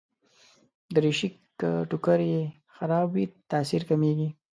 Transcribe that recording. دریشي که ټوکر يې خراب وي، تاثیر کمېږي.